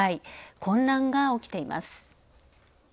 混乱が起きています。